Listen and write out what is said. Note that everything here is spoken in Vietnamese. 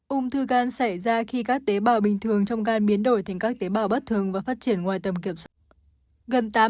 ung thư gan xảy ra khi các tế bào bình thường trong gan biến đổi thành các tế bào bất thường và phát triển ngoài tầm kiểm soát